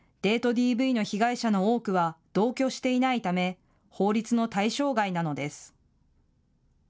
ＤＶの被害者の多くは同居していないため法律の対象外なのです。